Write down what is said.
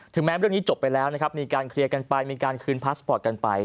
แม้เรื่องนี้จบไปแล้วนะครับมีการเคลียร์กันไปมีการคืนพาสปอร์ตกันไป